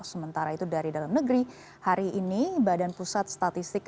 sementara itu dari dalam negeri hari ini badan pusat statistik